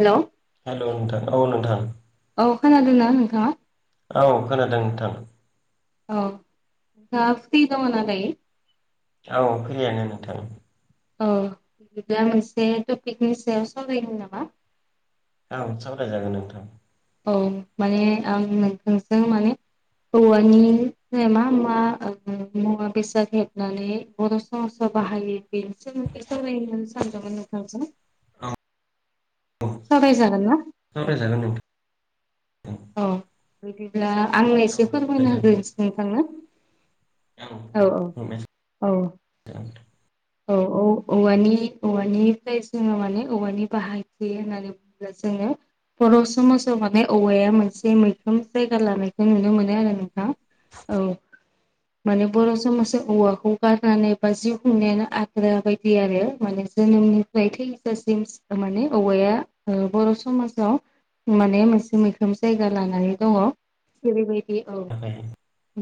हेल' हेल' नोंथां औ नोंथां औ खोनादोंना नोंथाङा औ खोनादों नोंथां औ नोंथाङा फ्रि दङना दायो? औ फ्रियानो नोंथां। औ बिब्दिला मोनसे टपिकनि सायाव सावरायनो नामा? औ सावराय जागोन नोंथां। औ माने आं नोंथांजों माने औवानि मा मुवा मुवा बेसाद हेबनानै बर समाजाव बाहायो बेनि सोमोनदै सावरायनो सानदोंमोन नोंथांजों औ सवराय जागोनना सावराय जागोन नों औ बिदिब्ला आंनो औ एसे फोरमायना सावरायजागोन होग्रोनोसै नोंथांनो औ औ औ औ औ औ औवानि औवानिफ्राय जोङो माने औवानि बाहायथि होननानै जोङो बर' समाज थाल माने औवाया मोनसे मैखोम जायगा लानायखौ नुनो मोनो आरो नोंथां औ माने बर' समाज औवाखौ गारनानै बा जिउ खुंनायानो आद्रा बायदि आरो माने जोनोम माय थैजसिम माने औवाया ओ बर' समाजाव माने मोनसे मैखोम जायगा लानानै दङ। जेरैबायदि औ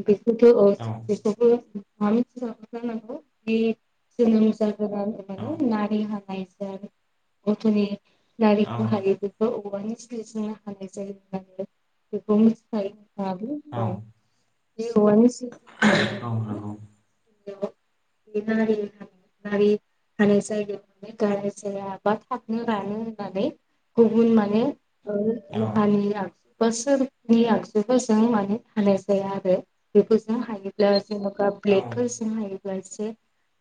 बेखौथ' औ [unintelligible] जोनोम जागोन औ माने नारि हानायजों गथ'नि औ नारिखौ [unintelligible] औ [unintelligible] नंगौ [unintelligible] [unintelligible] [unintelligible] बा थाबनो रानो होननानै गुबुन माने औ [unintelligible] बोसोरनि आगजुफोर जों माने हानाय जाया आरो बेफोरजों हायो। [unintelligible] औ ब्लेदफोरजों हायोब्लासो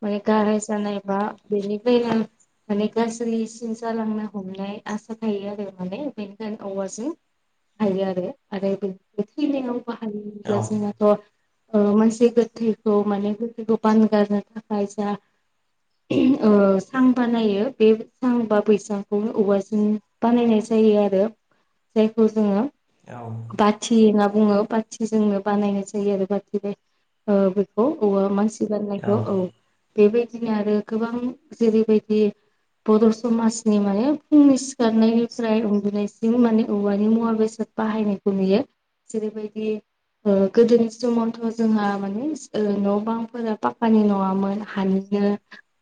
माने गाराइ जानाय बा बेनिफ्राय माने गाज्रिसिन जालांनो हमनाय आसा थायो आरो माने। बेनिखायनो औवाजों हायो आरो आरो बे थैलिआव बाहायोब्ला जों मानसि गोथैखौ माने गोथैखौ बानगारनो थाखाय जा सां बानायो बे सां बा बैसांखौ औवाजों बानायनाय जायो आरो। जायखौ जोङो औ बाथि होनना बुङो बाथिजोंनो बानायनाय जायो आरो बाथि बे बेखौ औवा मानसि गारनायखौ औ बेबायदिनो आरो गोबां जेरैबायदि बर' समाजनि माने फुंनि सिखारनायनिफ्राय उन्दुनाय सिम माने औवानि मुवा बेसाद बाहायनायखौ नुयो जेरैबायदि गोदोनि समावथ' जोंहा माने न' बांफोरा पाकानि नङामोन हानि नो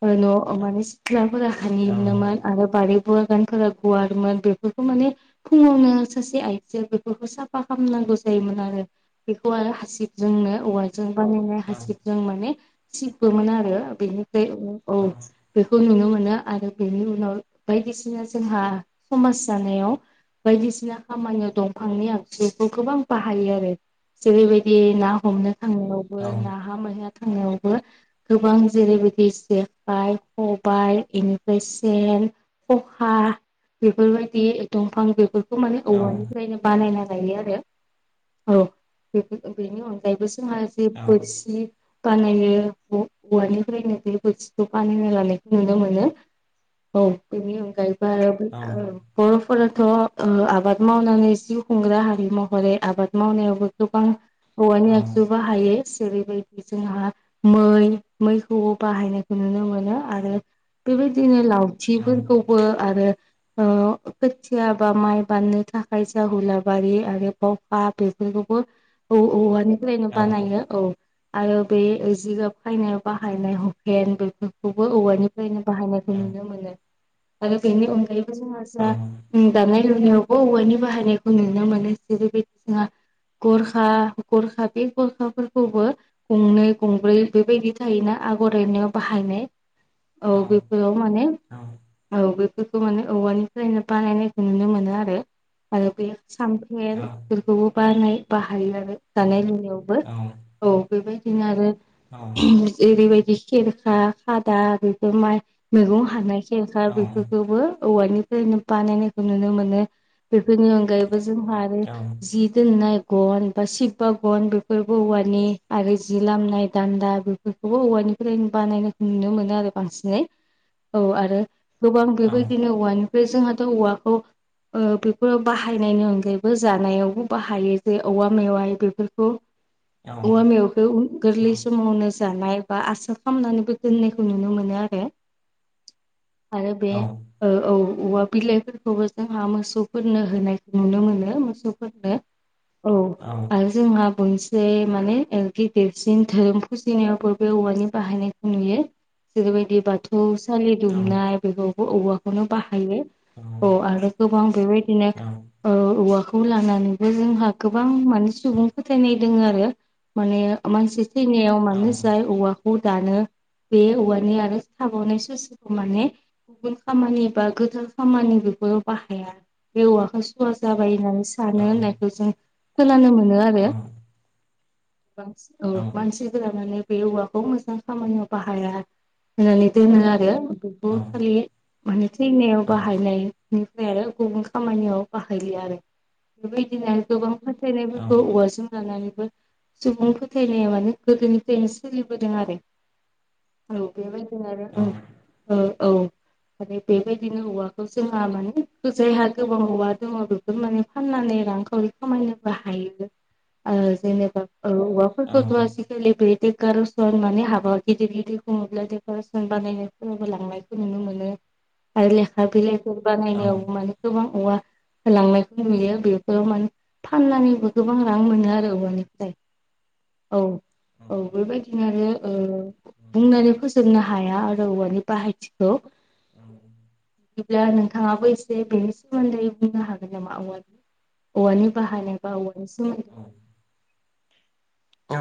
ओ न' माने सितलाफोरा हानिनोमोन औ आरो बारिबो बागानफोरा गुवारमोन बेफोरखौ माने फुङावनो सासे आइजोआ बेफोरखौ साफा खालामनांगौ जायोमोन आरो। बेखौ आरो हासिबजोंनो औवा जों औ बानायनाय हासिबजों माने सिबबोमोन आरो बेनिफ्राय औ बेखौ नुनो मोनो आरो बेनि उनाव बायदिसिना जोंहा समाज जानायाव बायदिसिना खामानियाव दंफांनि आगजुफोरखौ गोबां बाहायो आरो। जेरैबायदि ना हमनो थांनायावबो ना हा मैहा थांनायावबो गोबां जेरैबिदि जेखाइ खबाइ इनिफ्राय सेन खखा बेफोरबायदि दंफां बेफोरखौ माने औवानि [unintelligible] बानायना लायो आरो [unintelligible] बे बेनि अनगायैबो जोंहा [unintelligible] बोरसि बानायो अ हौवानिफ्रायनो बे [unintelligible] बानायना लानायखौ नुनो मोनो औ बेनि औ अनगायैबो आरो [unintelligible] फोराथ' ओ आबाद मावनानै जिउ खुंग्रा हारि महरै आबाद मावनायावबो गोबां औवानि आगजु बाहायो जेरैबायदि जोंहा मै मैखौबो बाहायनायखौ नुनो मोनो आरो बेबायदिनो लाव थिफोरखौबो आरो ओ खोथिया बा माइ बान्नो थाखाय जा हुलाबारि आरो बावखा बेफोरखौबो औ औवानिफ्रायनो बानायो औ आरो बे जिगाब फायनायाव बाहायनाय हुखेन बेफोरखौबो औवानिफ्रायनो बाहायनायखौ नुनो मोनो आरो बेनि अनगायैबो जोंहा जा दानाय लुनायावबो औवानि बाहायनायखौ नुनो मोनो जेरै बायदिसिना गरखा गरखा बे गरखाफोरखौबो गंनै गंब्रै बेबायदि थायोना आगर एरनायाव बाहायनाय औ बेफोराव माने औ बेफोरखौ माने औवानिफ्रायनो बानायनायखौ नुनो मोनो आरो आरो बे सामफे दो बयो बानाय बाहायो आरो जानाय लुनायावबो औ बेबायदिनो आरो औ ओरैबायदि खेरखा खादा बेफोर माइ मैगं हानानाय खेरखा औ बेफोर बेवबो औवानिफ्रायनो बानायनायखौ नुनो मोनो बेफोरनि अनगायै बो जोंहा आरो औ जि दोननाय गन बा सिबबा गन बेफोर औवानि आरो जि लामनाय दान्दा बेफोर खौबो औवानिफ्राय बानायनायखौ नुनो मोनो आरो बांसिनै औ आरो गोबां औ बेबायदिनो औवानिफ्राय जोंहाथ' औवाखौ ओ बेफोराव बाहायनायनि अनगायैबो जानायावबो बाहायो जे औवा मेवाय बेफोरखौ औ ओवा मेव बेउ गोरलै समावनो जानाय बा आसा खालामनानैबो दोननायखौ नुनो मोनो आरो आरो बे ओ औ औवा बिलाइफोरखौबो जोंहा मोसौफोरनो होनायखौ नुनो मोनो मोसौफोरनो औ आरज जोंहा मोनसे माने गेदेरसिन धोरोम फुजिनायावबो बे औवानि बाहायनायखौ नुयो जेरैबायदि बाथौसाालि दुमनाय बेयावबो औवाखौनो बाहायो औ आरो गोबां बेबायदिनो ओ औवा खौ लानानैबो जोंहा गोबां माने सुबुं फोथायनाय दोङो आरो माने मानसि थैनायाव मानो जाय औवा खौ दानो बे औवानि आरो थाबावनाय ससेखौ माने गुबुन खामानि बा गोथार खामानि बेफोराव बाहाया बे औवाखौ सुवा जाबाय होननानै सानो औ होननायखौ जों खोनानो मोन मोनो आरो [unintelligible] बे औवाखौ मोजां खामानियाव बाहाया होननानै दोनो आरो बेखौ खालि मानो थैनायाव बाहायनायनिफ्राय आरो गुबुन खामानियाव बाहायलियो आरो बिबायदिनो गोबां [unintelligible] औवा जों लानानैबो सुबुं फोथायनाया माने गोदोनिफ्रायनो सोलिबोदों आरो औ बेबायदि आरो ओ औ माने बेबायदि औवाखौ जोंहा माने जायहा गोबां हवा दङ बेफोर माने फाननानै रांखावरि खायनोबो हायो जेनेबा औवाफोरखौ [unintelligible] [unintelligible] सोरनिबा लांनायखौ नुनो मोनो। आरो लेखा बिलाइफोर औ बानायनायावबो माने गोबां औवा होलांनायखौ नुयो बेफोराव मान फाननानैबो गोबां रां मोनो आरो औवानिफ्राय। औ औ बेबायदिनो आरो औ बुंनानै फोजोबनो हाया आरो औवानि बाहायथिखौ। बिदिब्ला नोंथाङाबो एसे बेनि सोमोन्दै बुंनो हागोन नामा औवा औवनि बााहायानायब औवनिसिम [inaudible] औ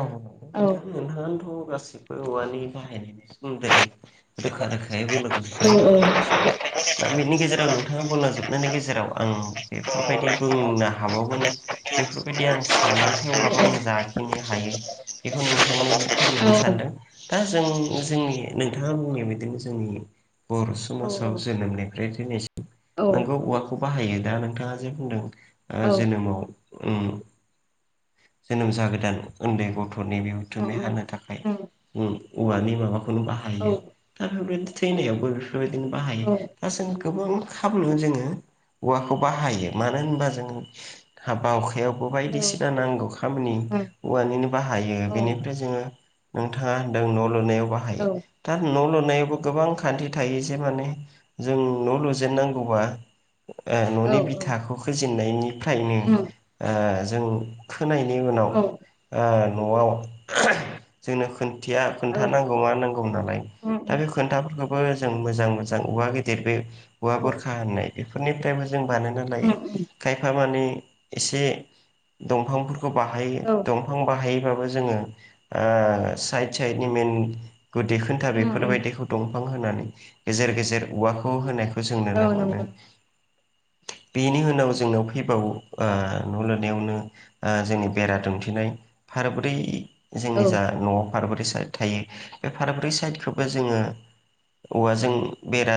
औ नोंथां नोंहाङथ' गासिबो औवानि बाहायनायनि सोमोन्दै रोखा रोखायैबो औ [unintelligible] [unintelligible] दा बेनि गेजेराव नोंथाङा बुंलाजोबनायनि गेजेराव आं बेफोरबायदि बुंनो हाबावगोन बेफोरबायदि आं साना थेवब्लाबो आं जा खिनि हायो बेखौ नोंथांनो औ फोरमायनो सानदों दा जों जोंनि नोंथाङा बुंनाया बिदिनो जोंनि बर' औ समाजाव जोनोमनिफ्राय थैनायसिम औ नोंगौ औवाखौ बाहायो दा नोंथाङा जे बुंदों औ जोनोमाव उम जोनोम जागोदान उन्दै गथ'नि उम बिहुथुमे उम हानो थाखाय उम उम औवानि माबाखौनो औ बाहायो दा बेफोरबायदि थैनायावबो बेफोरबायदिनो बाहायो। औ [unintelligible] गोबां खामनो जोङो औवाखौ बाहायो मानो होनबा जों हाबा हखायावबो बायदिसिना नांगौ खामानि उम औवानिनो बाहायो औ बेनिफ्राय जोङो नोंथाङा होनदों न' लुनायाव बाहायो औ दा न' लुनायावबो गोबां खान्थि थायो जे माने जों न' लुजेननांगौबा ओ न'नि औ बिथाखौ होजेननायनिफ्रायनो उम ओ- जों खोनायनि उनाव औ ओ न'आव जोंनो खथिया औ खोन्था नांगौ मा नांगौ नालाय उम दा उम बे खोन्थाफोरखौ बो जों मोजां मोजां औवा गिदिर बे औवा औ बुरखा होननाय बेफोरनिफ्राय जों बानायना लायो उम खायफा मानि एसे दंफांफोरखौ बाहायो औ दंफां बाहायोबाबो जोङो ओ- साइड साइडनि मेन गुदि खोन्था उम उम बेफोरबायदिखौ दंफां होनानै गेजेर गेजेर औवाखौ होनायखौ जों औ नुनो मोनो। नंगौ बेनि उनाव जोंनाव फैबावो ओ न' लुनायावनो आ- जोंनि बेरा दुमथिनाय फारबोरै औ जोंनि जा न' फारब्रै साइड थायो बे फारब्रै साइडखौबो जोङो औवाजों बेरा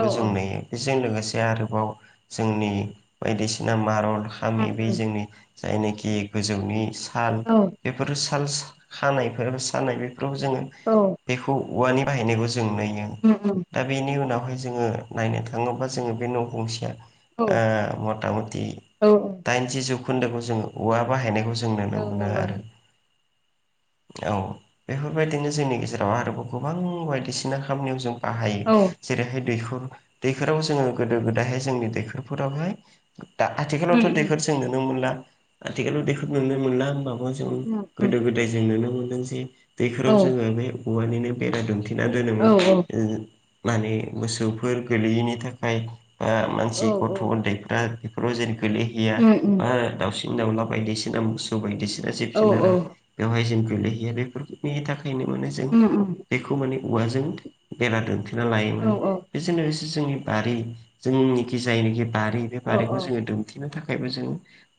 औ जों नुयो। बेजों लोगोसे आरोबाव जोंनि बायदिसिना मारल उम हामि बे उम जोंनि जायनोखि गोजौनि साल औ बेफोरो साल खानायफोर सानाय बेफोराव जोङो औ। बेखौ औवानि बाहायनायखौ जों नुयो। उम उम। दा बेनि उनावहाय जोङो नायनो थाङोब्ला जोङो बे न'गंसेया औ ओ- मथा मथि औ दाइनजि जौखोन्दोखौ जोङो औवा बाहायनायखौ ज जों नुनो मोनो नंगौ आरो। औ बेफोरबायदिनो जोंनि गेजेराव आरोबाव गोबां बायदिसिना खामानियाव जों बाहायो औ जेरैहाय दैखर दैखराव जोङो गोदो गोदायहाय जोंनि दैखरफोरावहाय दा उम आथिखालावथ' उम दैखर जों नुनो मोनला आथिखालाव दैखर नुनो मोनला होमबाबो गोदो गोदाय जों नुनो मोनदों जे औ दैखराव जोङो बे औवानिनो बेरा दु थिना औ दोनोमोन। औ उम माने मोसौफोर गोलैयैनि थाखाय। बा उम मानसि गथ' उन्दैफ्रा बेफोराव जेन गोलैहैया। बा दावसिन दाउला बायदिसिना मोसौ बायदिसिना जिब जिनारा औ औ बेवहाय जों गोलैहैया बेफोरनि थाखा बेनि माने जों उम उम बेखौ माने औवाजों बेरा दोनथेना औ लायोमोन। औ बेजोंनो लोगोसे जोंनि बारि जोंनिखि जायनाखि बारि बे बारिखौ जोङो थिनो थाखायबो जों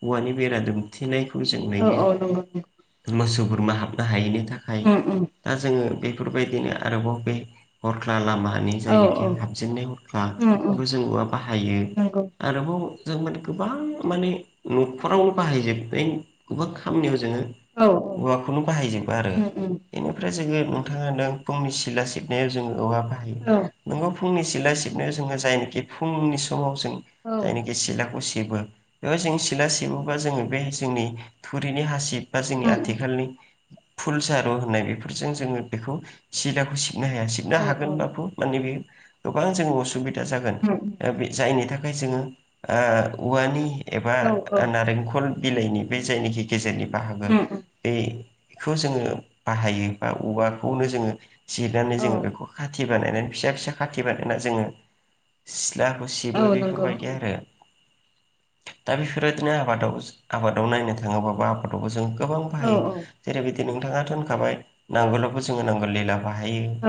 औवानि बेरा दुमथिनायखौ जों नुयो। नंगौ उम मोसौ बुरमा हाबनो हायैनि थाखाय उम दा जोङो बेफोरबायदिनो आरोबाव बे हरख्ला लामानि औ जायनोखि औ हाबजेननाय हरख्ला उम उम बेखौ जों औवा बाहायो। नंगौ आरोबाव जों माने गोबां माने न'खराव बाहायजोबनाय गोबां खामानियाव जोङो औ औवाखौनो बाहायजोबो आरो। उम उम बेनिफ्राय जोङो नोंथाङा फुंनि सिला सिबनायाव जोङो औवा बाहायो। औ नोंगौ फुंनि सिबला सिबनायाव जोङो जायनिखि फुंनि समाव जों औ जायनिखि सिलाखौ सेबो बेवहा जों सिला सेबोबा जोङो बे जोंनि थुरिनि हासिब बा जोंनि उम आथिखालनि फुल सारु होननाय बेफोरजों जोङो बेखौ सिलाखौ सिबनो हाया। सिबनो औ औ हागोन उम बाबो माने बे गोबां जोङो असुबिदा जागोन उम जायनि थाखाय जों आ उवानि एबा औ औ नारेंखल बिलाइनि बे जायनाखि गेजेरनि बाहागो उम उम बेखौ जोङो बाहायो बा औवाखौनो जोङो जियनानै औ जोङो खाथि बानायनानै फिसा फिसा खाथि बानायना जोङो सिथ्लाखौ सिबो औ नंगौ बेफोरबायदि उम आरो। बेफोरदिनो आबादाव आबादाव नायनो थाङोबाबो आबादावबो जों गोबां औ औ बाहायो। नोंथाङाथ' होनखाबाय नांगोलावबो जोङो नांगललिला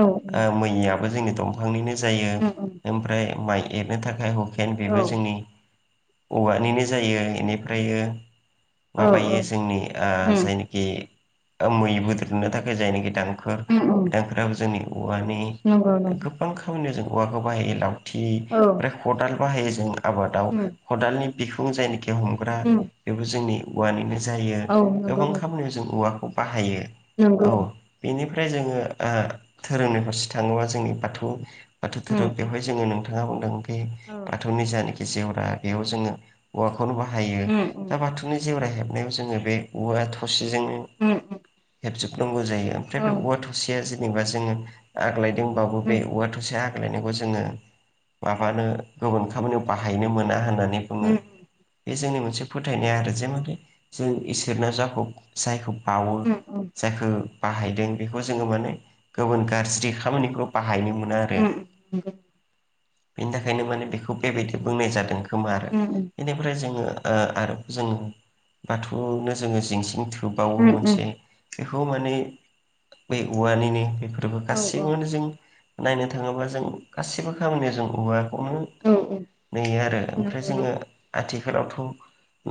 औ उम मैयाबो जोंनि दंफांनिनो जायो उम उम ओमफ्राय माइ एरनो थाखाय खेन औ बेबो जोंनि औवानिनो जायो। इनिफ्रायो औ औ माबायो जोंनि आं उम जायनाखि मै बोद्रनो थाखाय जायनाखि उम उम [unintelligible] जोंनि औवानि नंगौ। गोबां खामानियाव जों औवाखौ बाहायो लावथि औ ओमफ्राय खदाल बाहायो जों आबादाव। उम खदालनि बिखुं जायनाखि हमग्रा उम बेबो जोंनि औवानिनो जायो। औ नंगौ गोबां नंगौ खामानियाव जों औवाखौ बाहायो नंगौ औ। बेनिफ्राय जोङो धोरोमनि फारसे थाङोबा जोंनि बाथौ बाथौ उम धोरोम उम बेवहाय जोङो नोंथाङा बुंदों बे औ बाथौनि जानाखि जेवरा बेयाव जों औवाखौनो बाहायो उम उम दा बाथौनि जेवरा हेबनायाव जोङो बे औवा थसेजोंनो उम उम हेबजोबनांगौ जायो ओमफ्राय औ बे औवा थ सेया जेनेबा जोङो आग्लायदोंबाबो उम बे औवा थ आगलायनायखौ जोङो माबानो गुबुन खामानियाव बाहायनो मोना होननानै उम बुङो। बे जोंनि मोनसे फोथायनाया आरो जे माने जों इसोरनो जाखौ जायखौ बावो उम जायखौ बाहायदों बेखौ जोङो माने गुबुन गाज्रि खामानियाव बाहायनो मोना आरो उम नंगौ बेनि थाखायनो माने बेखौ बेबायदि बुंनाय जादों। खोमो। उम उम जोङो ओ आरो जोङो बाथौनो जोङो जिं जिं थुबावो उम उम मोनसे बेखौ माने बे औवानिनो बेफोरबो औ औ गासिबोनो जों नायनो थाङोबा जों गासिबो खामानियाव जों औवाखौनो औ नेयो आरो ओमफ्राय नंगौ जोङो नंगौ आथिखालावथ'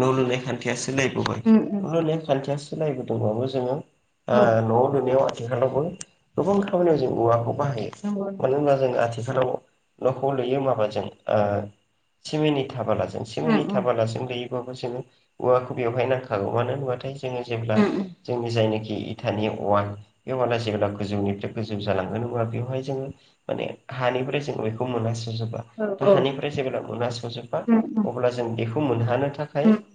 न' लुनाय खान्थिया सोलायबो [unintelligible] नेम खान्थिया सोलायबोदोंबाबो जोङो ओ औ न' लुनायाव आथिखालावबो गोबां खामानियाव जों औवाखौ बाहायो। नंगौ मानो होनब्ला जों आथिखालाव न'खौ लुयो माबाजों ओ सिमेन्ट इथा बालाजों उम सिमेन्ट इथा उम बालाजों लैयो। जो औवाखौ बेयावहाय नांखागौ मानो होनोबाथाय जोङो जेब्ला उम उम जोंनि जायनिखि इथानि अवाल बे अवाना जेब्ला गोजौनिफ्राय गोजौ जालांगोन अब्ला बेवहाय जों माने हानिफ्राय जों बेखौ मोनास'जोबा औ औ हानिफ्राय जेब्ला मोनास'जोबबा उम उम अब्ला जों बेखौ मोनहानो थाखाय उम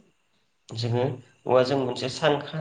जोङो औवाजों मोनसे सानखा